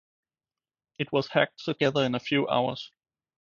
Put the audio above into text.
It was hacked together in a few hours.